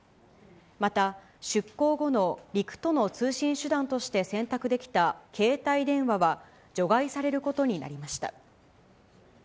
また、出航後の陸との通信手段として選択できた携帯電話は、除外されることになりました。